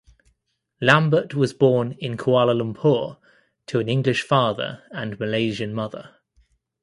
Lambert was born in Kuala Lumpur to an English father and Malaysian mother.